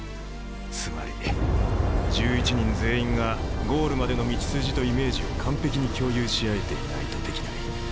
つまり１１人全員がゴールまでの道筋とイメージを完璧に共有し合えていないとできない。